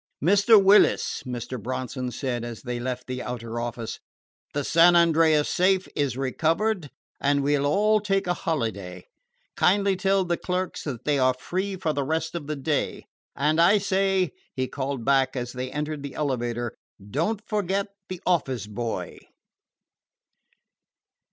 "Mr. Willis," Mr. Bronson said as they left the outer office, "the San Andreas safe is recovered, and we 'll all take a holiday. Kindly tell the clerks that they are free for the rest of the day. And I say," he called back as they entered the elevator, "don't forget the office boy."